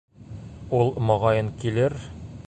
Ул, моғайын, килер.